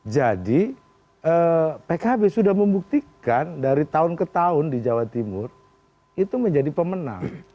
jadi pkb sudah membuktikan dari tahun ke tahun di jawa timur itu menjadi pemenang